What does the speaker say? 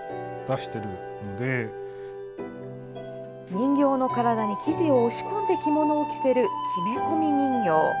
人形の体に生地を押し込んで着物を着せる、木目込み人形。